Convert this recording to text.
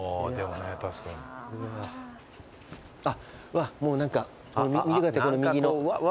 わっもう何か見てください右の。